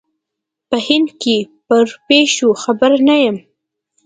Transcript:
په هند کې پر پېښو خبر نه یم.